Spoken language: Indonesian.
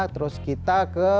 terus kita ke